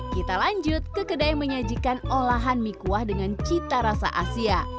kita lanjut ke kedai yang menyajikan olahan mie kuah dengan cita rasa asia